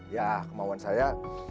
ya kemauan saya